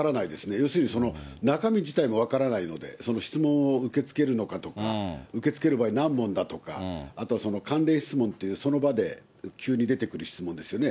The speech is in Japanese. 要するに、中身自体も分からないので、質問を受け付けるのかとか、受け付ける場合何問だとか、あとは関連質問という、その場で急に出てくる質問ですよね。